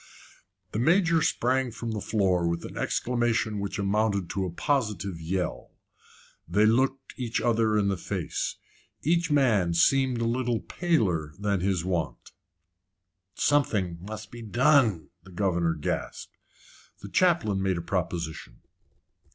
The Major sprang from the floor with an exclamation which amounted to a positive yell. They looked each other in the face. Each man seemed a little paler than his wont. "Something must be done," the governor gasped. The chaplain made a proposition.